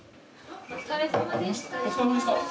お疲れさまでした。